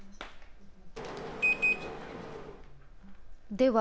では